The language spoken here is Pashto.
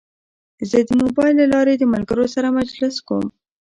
زه د موبایل له لارې د ملګرو سره مجلس کوم.